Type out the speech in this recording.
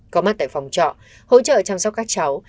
có mặt tại phòng trọ hỗ trợ chăm sóc các cháu